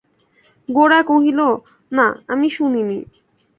গোরা কহিল, না, আমি শুনি নি।